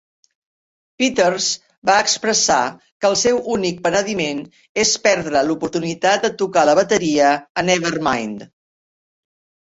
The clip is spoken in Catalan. Peters va expressar que el seu únic penediment és perdre l'oportunitat de tocar la bateria a "Nevermind".